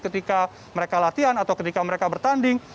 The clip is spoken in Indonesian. ketika mereka latihan atau ketika mereka bertanding